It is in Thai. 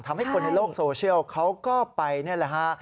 ทำให้คนในโลกโซเชียลเขาก็ไปนี่แหละฮะ